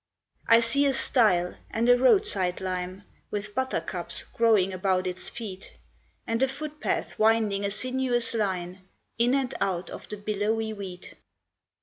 I see a stile, and a roadside lime, With buttercups growing about its feet, And a footpath winding a sinuous line In and out of the billowy wheat.